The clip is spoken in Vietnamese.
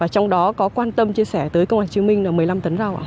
trong đó có quan tâm chia sẻ tới công an hồ chí minh một mươi năm tấn rau